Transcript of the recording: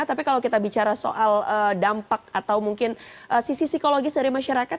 tapi kalau kita bicara soal dampak atau mungkin sisi psikologis dari masyarakat